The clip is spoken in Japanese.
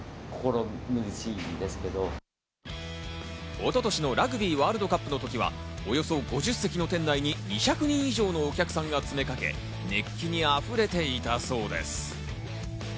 一昨年のラグビーワールドカップの時はおよそ５０席の店内に２００人以上のお客さんが詰めかけ、熱気に溢れていたそうです。